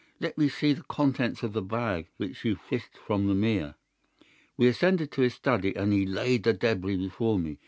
'Let me see the contents of the bag which you fished from the mere.' "We ascended to his study, and he laid the d├®bris before me.